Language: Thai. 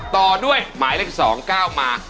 ต่อด้วยหมายเลข๒๙มา